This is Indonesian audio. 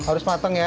harus matang ya